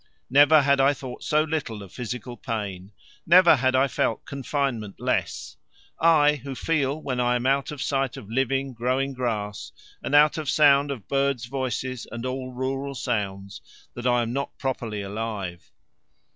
Never had I thought so little of physical pain. Never had I felt confinement less I who feel, when I am out of sight of living, growing grass, and out of sound of birds' voices and all rural sounds, that I am not properly alive!